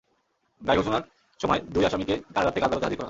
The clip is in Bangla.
রায় ঘোষণার সময় দুই আসামিকে কারাগার থেকে আদালতে হাজির করা হয়।